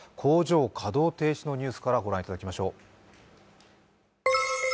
工場稼働停止のニュースから御覧いただきましょう。